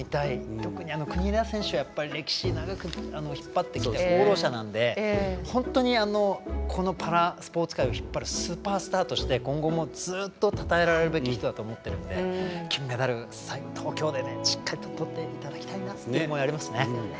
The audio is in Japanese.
特に国枝選手は長く引っ張ってきた功労者なので本当にスーパースターとして今後もずっとたたえられるべき人だと思いますので金メダル、東京でしっかりととっていただきたいなという思いありますね。